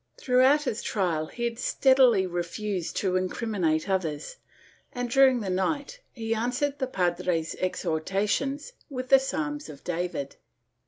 Throughout his trial he had steadily refused to incriminate others and, during the night, he answered the padres' exhortations with the psalms of David.